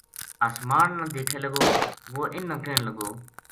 اسمان نا دیکھے لگو وہ اِنھ نا کہن لگو